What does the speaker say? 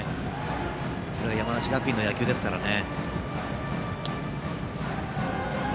それが山梨学院の野球ですからね。